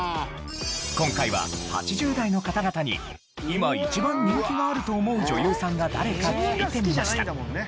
今回は８０代の方々に今一番人気のあると思う女優さんが誰か聞いてみました。